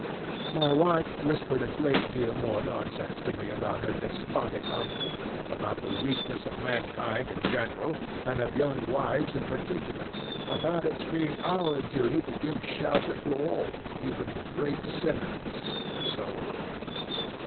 My wife whispered a great deal more nonsense to me about her despotic uncle; about the weakness of mankind in general and of young wives in particular; about its being our duty to give shelter to all, even great sinners, and so on.